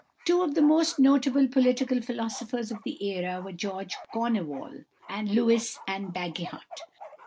Two of the most notable political philosophers of the era were George Cornewall Lewis and Bagehot.